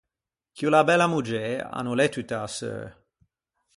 Chi o l’à bella moggê, a no l’é tutta a seu.